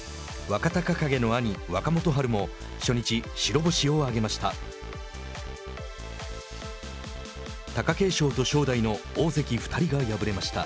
若隆景の兄、若元春も初日白星を挙げました。